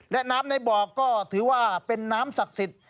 และน้ำในบ่อก็ถือว่าเป็นน้ำศักดิ์สิทธิ์